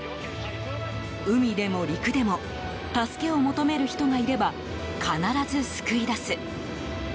海でも陸でも助けを求める人がいれば必ず救い出す。